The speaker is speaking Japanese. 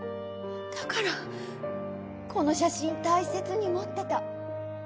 だからこの写真大切に持ってた。